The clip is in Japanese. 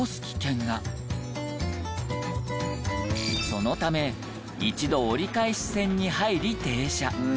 そのため一度折り返し線に入り停車。